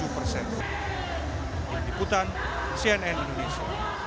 yang diikutan cnn indonesia